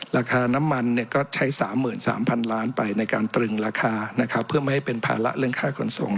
ราคาน้ำมันก็ใช้๓๓๐๐๐ล้านไปในการตรึงราคาเพื่อไม่ให้เป็นภาระเรื่องค่าขนส่ง